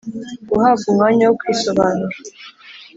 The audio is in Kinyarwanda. guhabwa umwanya wo kwisobanura